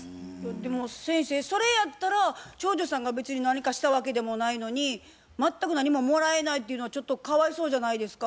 でも先生それやったら長女さんが別に何かしたわけでもないのに全く何ももらえないっていうのはちょっとかわいそうじゃないですか？